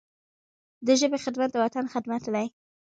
د ژبي خدمت، د وطن خدمت دی.